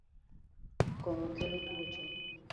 Kong’o kelo tuoche